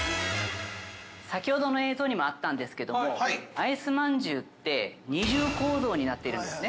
◆先ほどの映像にもあったんですけども、あいすまんじゅうって、二重構造になってるんですね。